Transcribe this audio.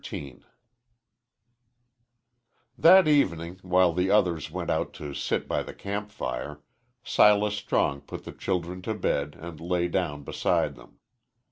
XIII THAT evening, while the others went out to sit by the camp fire, Silas Strong put the children to bed and lay down beside them.